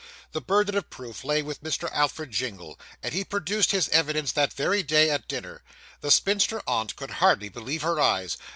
The burden of proof lay with Mr. Alfred Jingle; and he produced his evidence that very day at dinner. The spinster aunt could hardly believe her eyes.